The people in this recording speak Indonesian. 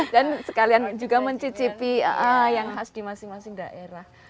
dan sekalian juga mencicipi yang khas di masing masing daerah